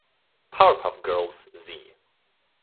Powerpuff Girls Z.